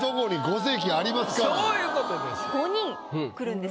そういうことです。